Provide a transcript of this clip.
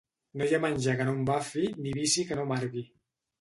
No hi ha menjar que no embafi, ni vici que no amargui.